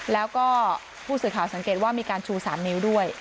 แล้วก็ผู้สื่อข่าวสังเกตว่ามีการชู๓นิ้วด้วย